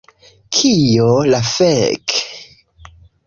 Kio la fek'?